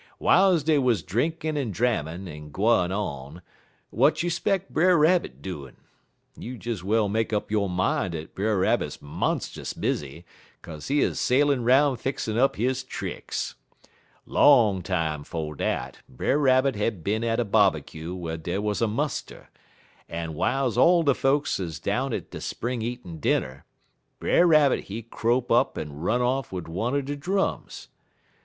"Wiles dey wuz drinkin' en drammin' en gwine on, w'at you 'speck Brer Rabbit doin'? You des well make up yo' min' dat Brer Rabbit monst'us busy, kaze he 'uz sailin' 'roun' fixin' up his tricks. Long time 'fo' dat, Brer Rabbit had been at a bobbycue whar dey was a muster, en w'iles all de folks 'uz down at de spring eatin' dinner, Brer Rabbit he crope up en run off wid one er de drums.